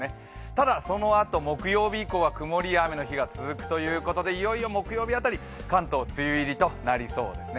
ただ、そのあと木曜日以降は曇りや雨の日が続くということでいよいよ木曜日辺り、関東、梅雨入りとなりそうですね。